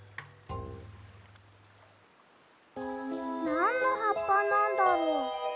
なんのはっぱなんだろう？